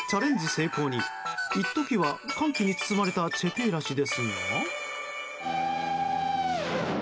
成功に一時は歓喜に包まれたチェピエラ氏ですが。